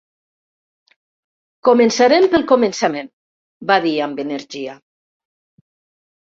"Començarem pel començament", va dir amb energia.